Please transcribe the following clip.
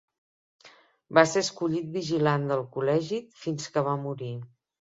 Va ser escollit vigilant del col·legi fins que va morir.